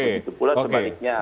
itu pula sebaliknya